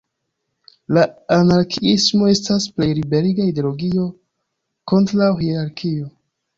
La anarkiismo estas plej liberiga ideologio kontraŭ hierarkio.